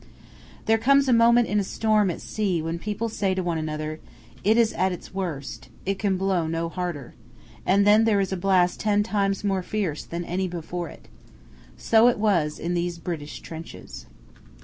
There comes a moment in a storm at sea when people say to one another, "It is at its worst; it can blow no harder," and then there is a blast ten times more fierce than any before it. So it was in these British trenches.